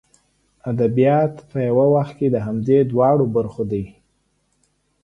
ادبیات په یو وخت کې د همدې دواړو برخو دي.